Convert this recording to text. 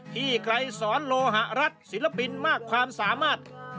ไกรสอนโลหะรัฐศิลปินมากความสามารถ